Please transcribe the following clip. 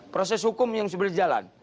proses hukum yang sudah jalan